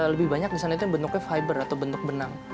lebih banyak disana itu bentuknya fiber atau bentuk benang